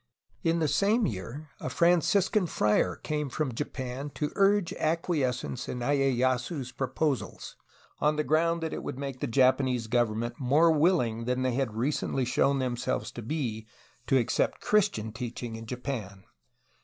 '' In the same year, a Franciscan friar came from Japan to urge acquiescence in lyeyasu's pro [posals, on the ground that it would make the Japanese gov ernment more wilHng than they had recently shown them selves to be to accept Christian teaching in Japan.